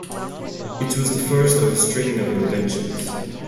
It was the first of a string of inventions.